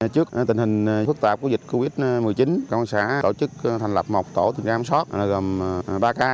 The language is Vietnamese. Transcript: trước tình hình phức tạp của dịch covid một mươi chín công an xã tổ chức thành lập một tổ tình trạng kiểm soát gồm ba ca